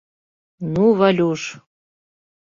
Ну, Валюш!..